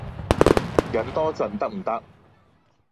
忍多陣得唔得